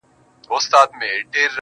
نور خپلي ويني ته شعرونه ليكو.